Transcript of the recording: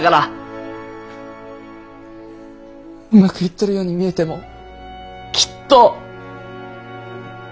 うまくいってるように見えてもきっと。